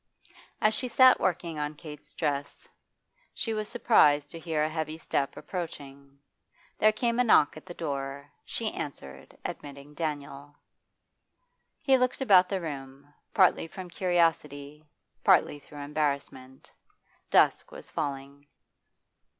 As she sat working on Kate's dress, she was surprised to hear a heavy step approaching. There came a knock at the door; she answered, admitting Daniel. He looked about the room, partly from curiosity, partly through embarrassment. Dusk was falling.